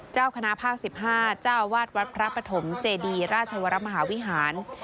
เจ้าคณะภาค๑๕เจ้าวาดวัดพระปฐมเจดีราชวรมหาวิหาร